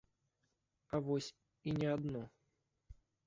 А вось і не адно.